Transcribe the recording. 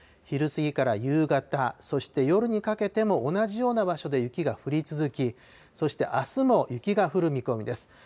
昼過ぎから夕方、そして夜にかけても同じような場所で雪が降り続き、そしてあすも雪が降る見込みです。